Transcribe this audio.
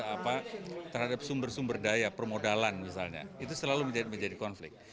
dan akses terhadap sumber sumber daya permodalan misalnya itu selalu menjadi konflik